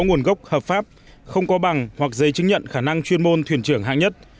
nguồn gốc hợp pháp không có bằng hoặc giấy chứng nhận khả năng chuyên môn thuyền trưởng hạng nhất